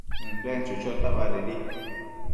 ënden chochota badedi